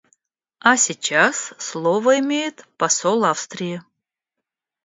А сейчас слово имеет посол Австрии.